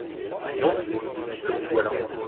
Non… puisque vous voilà.